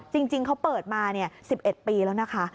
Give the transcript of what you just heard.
จริงเขาเปิดมา๑๑ปีแล้วนะคะ